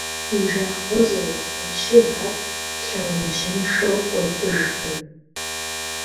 Ди жагъуэ зэрыхъунщи, ар лъэужьыншэу кӏуэдыжкъым.